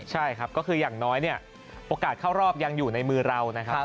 ใช่ครับก็คืออย่างน้อยเนี่ยโอกาสเข้ารอบยังอยู่ในมือเรานะครับ